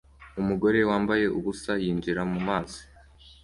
Umugore wambaye ubusa yinjira mu mazi